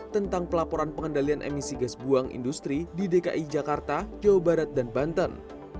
tentang pelaporan pengendalian emisi gas buang industri di dki jakarta jawa barat dan banten